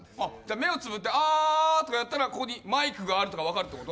目をつぶってあーとかってやったらここにマイクがあるとか分かるってこと？